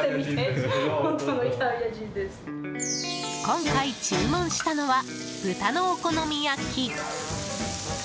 今回注文したのは豚のお好み焼き。